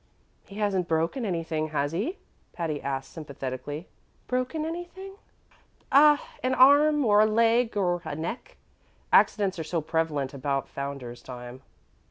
"He hasn't broken anything, has he?" Patty asked sympathetically. "Broken anything?" "Ah an arm, or a leg, or a neck. Accidents are so prevalent about Founder's time."